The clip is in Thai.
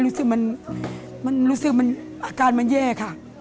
รู้สึกอาการมันเยอะค่ะ